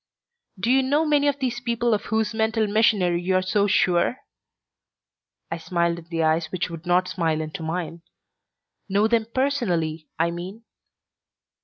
"Do you know many of these people of whose mental machinery you are so sure?" I smiled in the eyes which would not smile into mine. "Know them personally, I mean?"